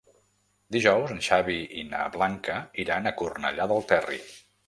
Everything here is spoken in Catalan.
Dijous en Xavi i na Blanca iran a Cornellà del Terri.